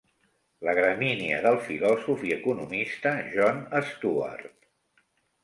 La gramínia del filòsof i economista John Stuart.